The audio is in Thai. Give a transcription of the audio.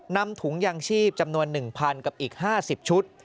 นำถุงยางชีพจำนวน๑๐๐๐กับอีก๕๐ชุด